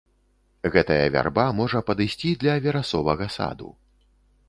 Гэтая вярба можа падысці для верасовага саду.